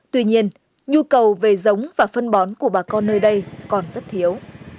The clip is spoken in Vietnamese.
tuy nhiên nhu cầu về giống và phân bón của bà con nơi đây còn rất thiếu